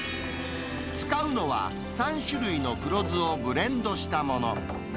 使うのは、３種類の黒酢をブレンドしたもの。